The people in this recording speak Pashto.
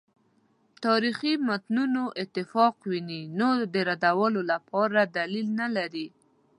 تاریخي متونو اتفاق ویني نو د ردولو لپاره دلیل نه لري.